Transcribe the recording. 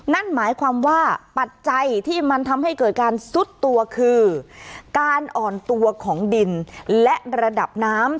นั่นหมายความว่าปัจจัยที่มันทำให้เกิดการซุดตัวคือการอ่อนตัวของดินและระดับน้ำ